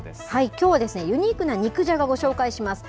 きょうはユニークな肉じゃが、ご紹介します。